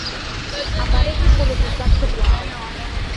Aparece polo contacto coa auga.